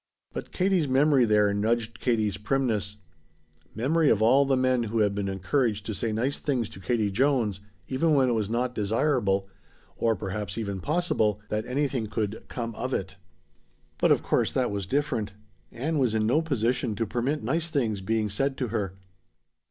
But Katie's memory there nudged Katie's primness; memory of all the men who had been encouraged to say nice things to Katie Jones, even when it was not desirable or perhaps even possible that anything could "come of it." But of course that was different. Ann was in no position to permit nice things being said to her.